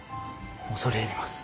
恐れ入ります。